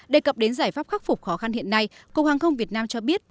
đề cập đến giải pháp khắc phục khó khăn hiện nay cục hàng không việt nam cho biết